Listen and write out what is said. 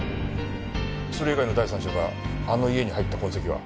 それ以外の第三者があの家に入った痕跡は？